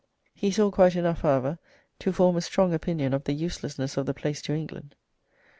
He saw quite enough, however, to form a strong opinion of the uselessness of the place to England.